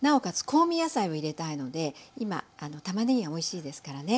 香味野菜を入れたいので今たまねぎがおいしいですからね